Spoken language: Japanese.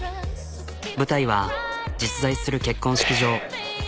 舞台は実在する結婚式場。